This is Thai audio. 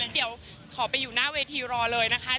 เดี๋ยวขอไปอยู่หน้าเวทีรอเลยนะคะ